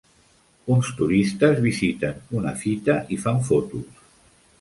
Uns turistes visiten una fita i fan fotos.